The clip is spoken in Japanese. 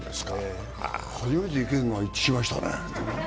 初めて意見が一致しましたね。